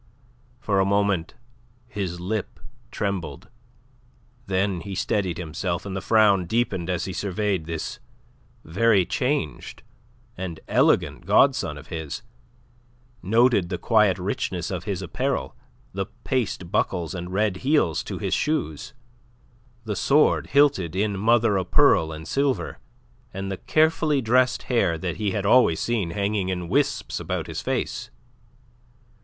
For a moment his lip trembled. Then he steadied himself, and the frown deepened as he surveyed this very changed and elegant godson of his, noted the quiet richness of his apparel, the paste buckles and red heels to his shoes, the sword hilted in mother o' pearl and silver, and the carefully dressed hair that he had always seen hanging in wisps about his face.